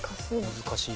難しい。